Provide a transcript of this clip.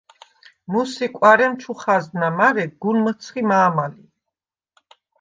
მუს ი კუ̂არემ ჩუ ხაზნა, მარე გუნ მჷცხი მა̄მა ლი.